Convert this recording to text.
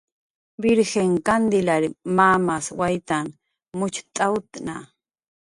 Virjin Kantilary mamas waytn mucht'awtna